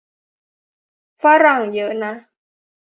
ฝรั่งเยอะนะ